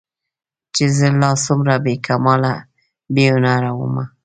چې زه لا څومره بې کماله بې هنره ومه